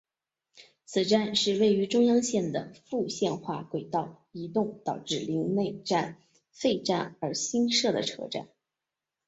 此站是位于中央线的复线化轨道移动导致陵内站废站而新设的车站。